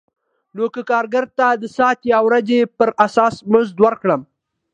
نو که کارګر ته د ساعت یا ورځې پر اساس مزد ورکړم